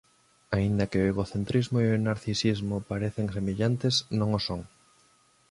Aínda que o egocentrismo e o narcisismo parecen semellantes non o son.